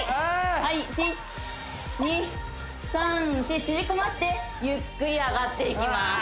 はい１２３４縮こまってゆっくり上がっていきます